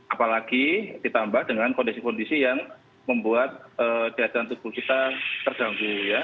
apalagi ditambah dengan kondisi kondisi yang membuat daya tahan tubuh kita terganggu ya